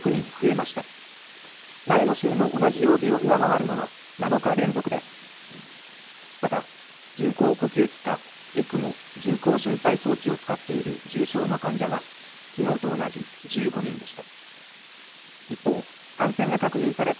また人工呼吸器かＥＣＭＯ・人工心肺装置を使っている重症の患者はきのうと同じ１５人でした。